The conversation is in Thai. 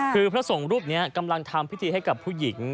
คือพระสงฆ์รูปนี้กำลังทำพิธีให้กับผู้หญิง